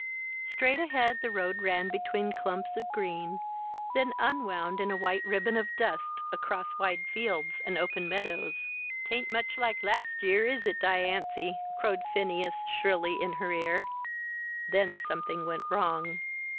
Straight ahead the road ran between clumps of green, then unwound in a white ribbon of dust across wide fields and open meadows. "Tain't much like last year, is it, Dianthy?" crowed Phineas, shrilly, in her ear then something went wrong.